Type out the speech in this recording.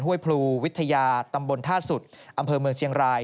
พลูวิทยาตำบลท่าสุดอำเภอเมืองเชียงราย